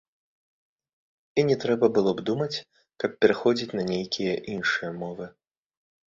І не трэба было б думаць, каб пераходзіць на нейкія іншыя мовы.